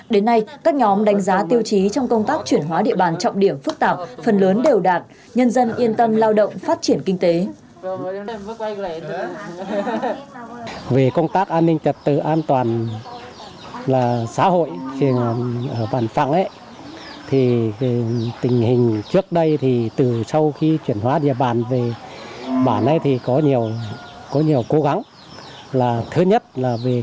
đến nay các nhóm đánh giá tiêu chí trong công tác chuyển hóa địa bàn trọng điểm phức tạp phần lớn đều đạt nhân dân yên tâm lao động phát triển kinh tế